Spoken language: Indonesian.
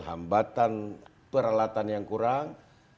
hambatan peralatan yang kurang